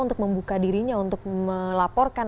untuk membuka dirinya untuk melaporkan